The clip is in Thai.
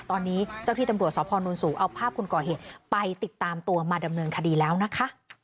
ตอนนี้เจ้าที่ตำรวจสพนสูงเอาภาพคนก่อเหตุไปติดตามตัวมาดำเนินคดีแล้วนะคะ